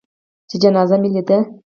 چې جنازه مې لېده.